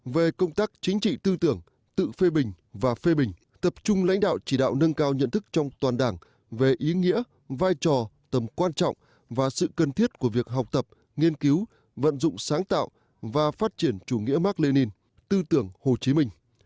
về công tác chính trị tư tưởng tự phê bình và phê bình tập trung lãnh đạo chỉ đạo nâng cao nhận thức trong toàn đảng về ý nghĩa vai trò tầm quan trọng và sự cần thiết của việc học tập nghiên cứu vận dụng sáng tạo và phát triển chủ nghĩa mark lenin tư tưởng hồ chí minh